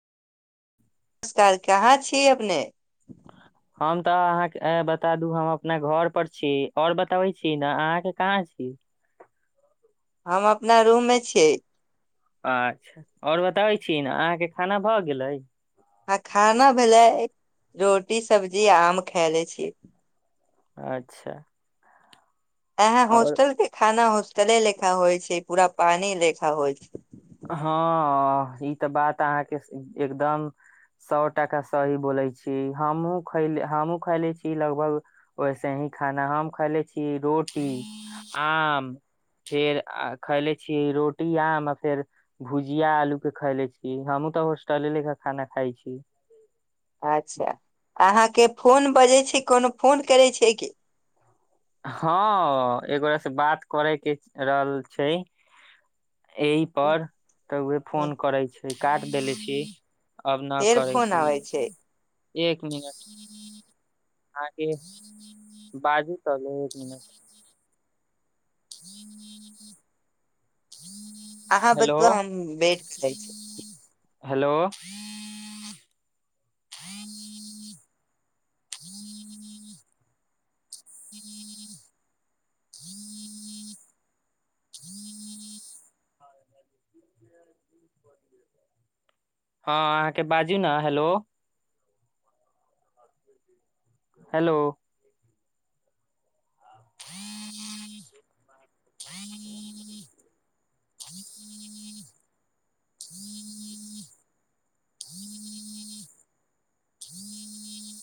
नमस्कार कहाँ छी अपने [inaudible] हम तऽ अहाँके बता दू हम अपना घर पर छी और बताबै छी न अहाँके कहाँ छी हम अपना रूम मे छियै अच्छा आओर बताबै छी नऽ अहाँ केँ खाना भऽ गेलै आ खाना भेले रोटी सब्जी आम खैयले छी अच्छा अहाँ और हॉस्टेल केँ खाना हॉस्टेले लेखा होइ छै पूरा पानी लेखा होइ छै हँ ई तऽ बात अहाँकेँ एकदम सौ टाका सही बोले छी हमहूँ खैले - हमहुँ खैले छी लगभग वैसे ही खाना हम खायले छी रोटी, आम फेर खैले छीयै रोटी आम आ फेर भुजिया आलू केँ खायले छी हमहुँ तऽ होस्टले लेखा खाना खाय छी अच्छा अहाँकेँ फोन बजै छै कोनो फोन करै छै कि हँ एकगोरा से बात करै केँ रहल छै ई पर तऽ उहे फोन करै छै काट देले छी आब नऽ फेर करै फोन छी आबै छै एक मिनट आगे बाजू [unintelligible] एक मिनट [inaudible] [inaudible] अहाँ [unintelligible] हम बेट करै छी हेलो [inaudible] [inaudible] [inaudible] [inaudible] हँ अहाँकेँ बाजू नऽ हेलो [inaudible] हेलो [inaudible] [inaudible]